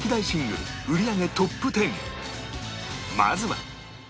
まずは